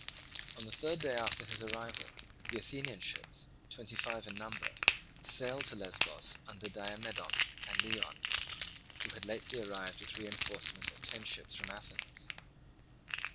On the third day after his arrival, the Athenian ships, twenty five in number, sailed to Lesbos under Diomedon and Leon, who had lately arrived with a reinforcement of ten ships from Athens.